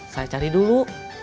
saya cari dulu